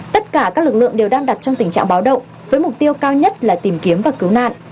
tất cả các lực lượng đều đang đặt trong tình trạng báo động với mục tiêu cao nhất là tìm kiếm và cứu nạn